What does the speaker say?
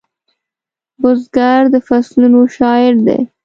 بزګر د فصلونو شاعر دی